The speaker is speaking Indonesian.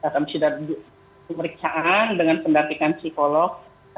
kami sudah lakukan pemeriksaan dengan pendatikan psikolog